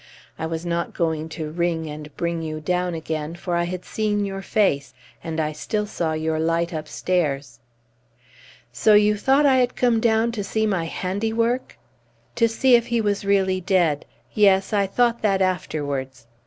I was not going to ring and bring you down again, for I had seen your face, and I still saw your light upstairs." "So you thought I had come down to see my handiwork!" "To see if he was really dead. Yes, I thought that afterwards.